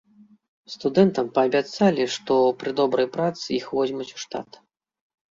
Студэнтам паабяцалі, што пры добрай працы іх возьмуць у штат.